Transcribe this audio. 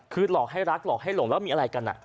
คือหลอกให้รักหลอกให้หลงแล้วมีอะไรกัน